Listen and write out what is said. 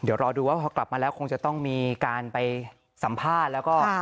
เดี๋ยวรอดูว่าพอกลับมาแล้วคงจะต้องมีการไปสัมภาษณ์แล้วก็